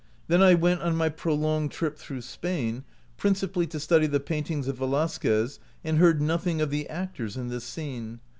"Then I went on my prolonged trip through Spain, principally to study the paintings of Velasquez, and heard nothing of the actors in this scene.